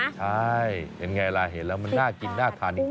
ใช่เห็นไงล่ะเห็นแล้วมันน่ากินน่าทานจริง